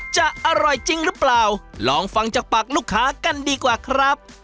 จะอร่อยจริงหรือเปล่าลองฟังจากปากลูกค้ากันดีกว่าครับ